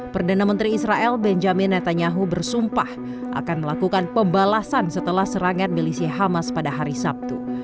perdana menteri israel benjamin netanyahu bersumpah akan melakukan pembalasan setelah serangan milisi hamas pada hari sabtu